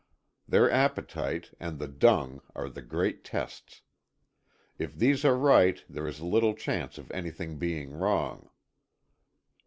Their appetite, and the dung are the great tests. If these are right there is little chance of anything being wrong.